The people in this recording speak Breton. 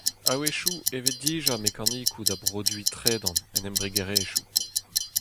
A-wechoù e vez dija mekanikoù da broduiñ tredan en embregerezhioù.